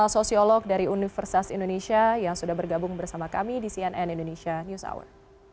sosiolog dari universitas indonesia yang sudah bergabung bersama kami di cnn indonesia news hour